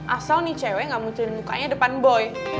asal nih cewek gak munculin mukanya depan boy